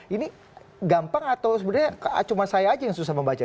ini gampang atau sebenarnya cuma saya aja yang susah membaca